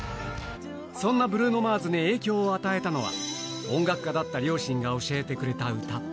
そんなブルーノ・マーズに影響を与えたのは、音楽家だった両親が教えてくれた歌。